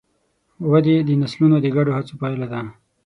ودې د نسلونو د ګډو هڅو پایله ده.